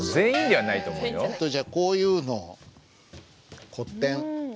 じゃあこういうのを古典。